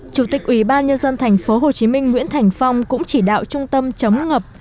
chủ tịch ủy ban nhân dân thành phố hồ chí minh nguyễn thành phong cũng chỉ đạo trung tâm chống ngập